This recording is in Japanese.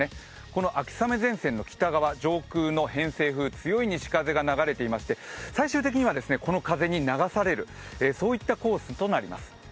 この秋雨前線の北側、上空の偏西風強い西風が流れていまして、最終的にはこの風に流されるといったコースとなります。